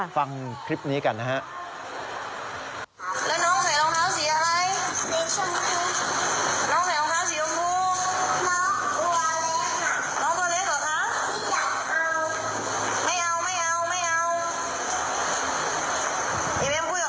ฟังคลิปนี้กันนะฮะ